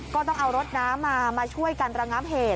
ก็ต้องเอารถน้ำมามาช่วยกันระงับเหตุ